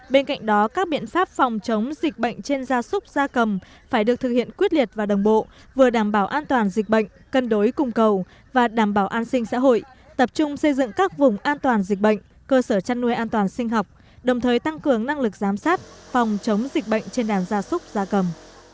bên cạnh đó các biện pháp phòng chống dịch bệnh trên gia súc gia cầm phải được thực hiện quyết liệt và đồng bộ vừa đảm bảo an toàn dịch bệnh cân đối cung cầu và đảm bảo an sinh xã hội tập trung xây dựng các vùng an toàn dịch bệnh cơ sở chăn nuôi an toàn sinh học đồng thời tăng cường năng lực giám sát phòng chống dịch bệnh trên đàn gia súc gia cầm